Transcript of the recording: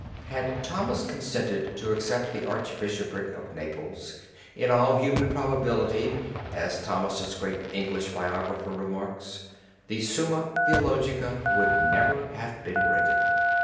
Had Thomas consented to accept the Archbishopric of Naples in all human probability, as Thomas's great English biographer remarks, the Summa Theologica would never have been written.